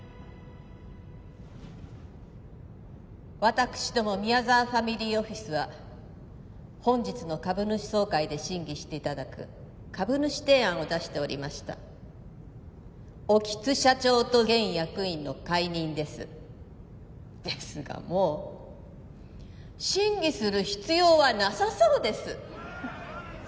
私ども宮沢ファミリーオフィスは本日の株主総会で審議していただく株主提案を出しておりました興津社長と現役員の解任ですですがもう審議する必要はなさそうです